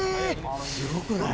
すごくない？